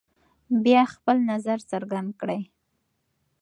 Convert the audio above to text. بیا خپل نظر څرګند کړئ.